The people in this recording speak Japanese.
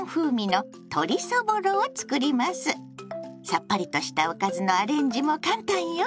さっぱりとしたおかずのアレンジも簡単よ。